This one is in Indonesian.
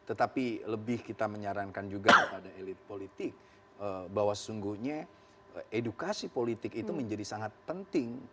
tetapi lebih kita menyarankan juga kepada elit politik bahwa sesungguhnya edukasi politik itu menjadi sangat penting